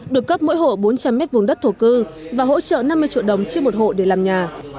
được cấp mỗi hộ bốn trăm linh mét vùng đất thổ cư và hỗ trợ năm mươi triệu đồng trên một hộ để làm nhà